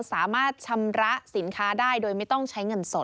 สามารถชำระสินค้าได้โดยไม่ต้องใช้เงินสด